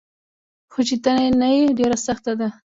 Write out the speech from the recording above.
خو چي ته نه يي ډيره سخته ده